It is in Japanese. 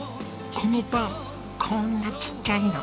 このパンこんなちっちゃいの。